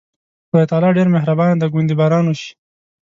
خدای تعالی ډېر مهربانه دی، ګوندې باران وشي.